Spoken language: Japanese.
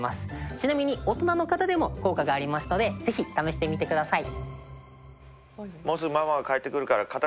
ちなみに大人の方でも効果がありますので是非試してみてください。